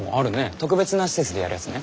特別な施設でやるやつね。